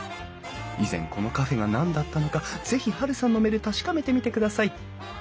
以前このカフェが何だったのかぜひハルさんの目で確かめてみてください。